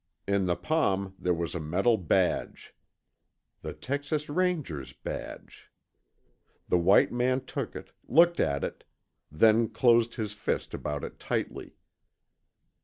In the palm there was a metal badge. The Texas Ranger's badge. The white man took it, looked at it, then closed his fist about it tightly.